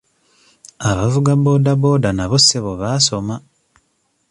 Abavuga boodabooda nabo ssebo baasoma.